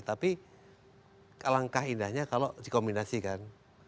tapi langkah indahnya kalau dikombinasikan